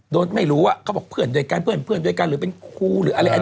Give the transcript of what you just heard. โดนไม่รู้เขาบอกเพื่อนด้วยกันรือเป็นครูอันไหน